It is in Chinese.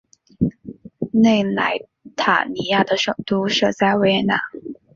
内莱塔尼亚的首都设在维也纳。